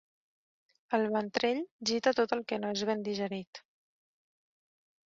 El ventrell gita tot el que no és ben digerit.